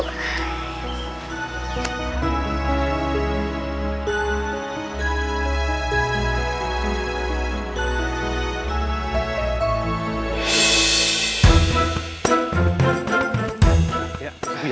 kau dengar mukanya jadi apa lagi ya